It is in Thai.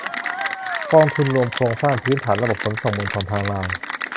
กองทุนรวมโครงสร้างพื้นฐานระบบขนส่งมวลชนทางราง